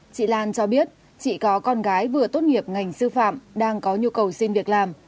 chị lan cho biết chị có con gái vừa tốt nghiệp ngành sư phạm đang có nhu cầu xin việc làm